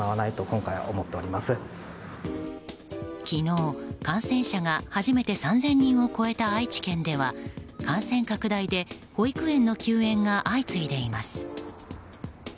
昨日、感染者が初めて３０００人を超えた愛知県では、感染拡大で保育園の休園が相次いでいます。